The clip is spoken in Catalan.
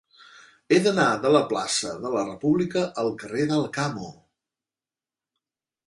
He d'anar de la plaça de la República al carrer d'Alcamo.